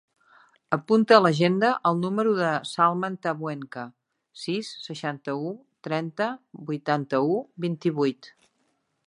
Apunta a l'agenda el número del Salman Tabuenca: sis, seixanta-u, trenta, vuitanta-u, vint-i-vuit.